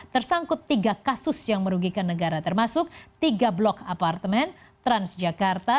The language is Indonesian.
tersangkut tiga kasus yang merugikan negara termasuk tiga blok apartemen transjakarta